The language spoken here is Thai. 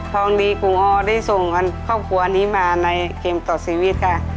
ทองดีกรุงออได้ส่งกันครอบครัวนี้มาในเกมต่อชีวิตค่ะ